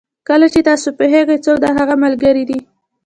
کله چې تاسو پوهېږئ څوک د هغه ملګري دي.